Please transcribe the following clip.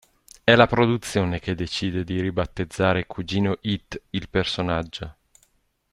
È la produzione che decide di ribattezzare Cugino Itt il personaggio.